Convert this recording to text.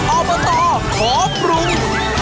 โอโบตอร์ขอปรุง